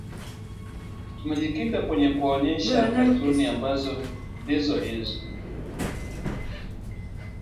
tumejikita kwenye kuwaonyesha katuni ambazo ndizo hizo